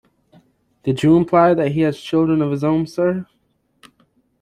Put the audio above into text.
Did you imply that he has children of his own, sir?